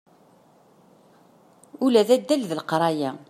Ula d addal d leqraya.